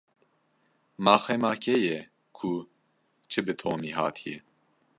Ma xema kê ye ku çi bi Tomî hatiye?